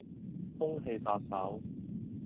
空氣殺手